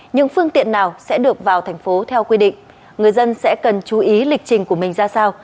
nhưng phương tiện nào sẽ được vào thành phố theo quy định người dân sẽ cần chú ý lịch trình của mình ra sao